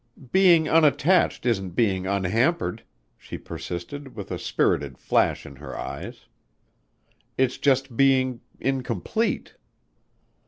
"Being unattached isn't being unhampered," she persisted with a spirited flash in her eyes. "It's just being incomplete."